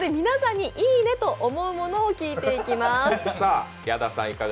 皆さんにいいねと思うものを聞いていきます。